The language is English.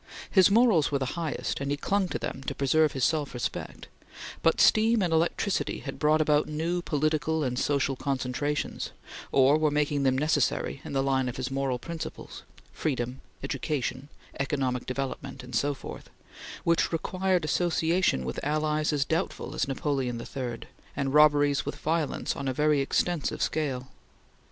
His morals were the highest, and he clung to them to preserve his self respect; but steam and electricity had brought about new political and social concentrations, or were making them necessary in the line of his moral principles freedom, education, economic development and so forth which required association with allies as doubtful as Napoleon III, and robberies with violence on a very extensive scale.